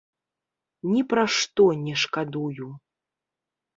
Ні пра што не шкадую.